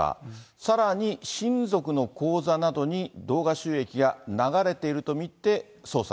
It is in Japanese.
さらに親族の口座などに動画収益が流れていると見て捜査。